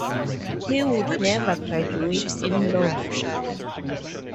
He would never graduate in law.